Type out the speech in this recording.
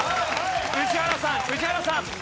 宇治原さん宇治原さん。